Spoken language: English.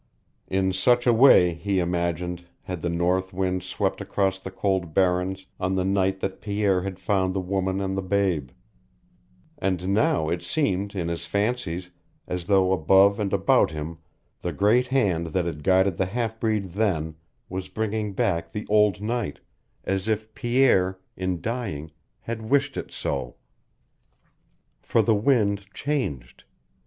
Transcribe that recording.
In such a way, he imagined, had the north wind swept across the cold barrens on the night that Pierre had found the woman and the babe; and now it seemed, in his fancies, as though above and about him the great hand that had guided the half breed then was bringing back the old night, as if Pierre, in dying, had wished it so. For the wind changed.